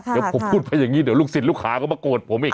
เดี๋ยวผมพูดไปอย่างนี้เดี๋ยวลูกศิษย์ลูกหาก็มาโกรธผมอีก